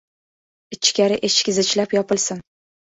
Ichkari eshik zichlab yopilsin.